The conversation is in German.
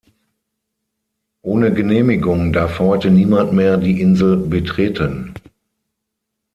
Ohne Genehmigung darf heute niemand mehr die Insel betreten.